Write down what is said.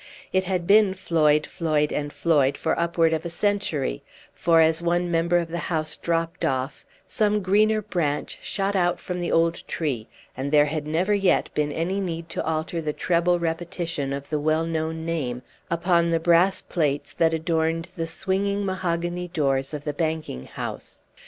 It had been Floyd, Floyd, and Floyd for upward of a century; for, as one member of the house dropped off, some greener branch shot out from the old tree; and there had never yet been any need to alter the treble repetition of the well known name upon the brass plates that adorned the swinging mahogany doors of the banking house.